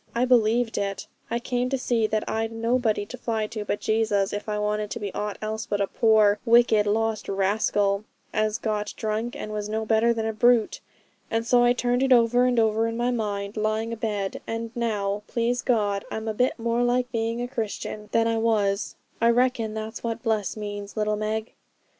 I believed it. I came to see that I'd nobody to fly to but Jesus if I wanted to be aught else but a poor, wicked, lost rascal, as got drunk, and was no better than a brute. And so I turned it over and over in my mind, lying abed; and now, please God, I'm a bit more like being a Christian than I was. I reckon that's what bless means, little Meg.'